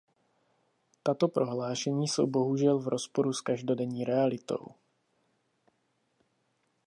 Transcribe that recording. Tato prohlášení jsou bohužel v rozporu s každodenní realitou.